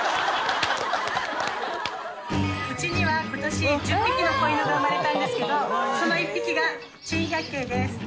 うちには今年１０匹の子犬が生まれたんですけどその１匹が珍百景です。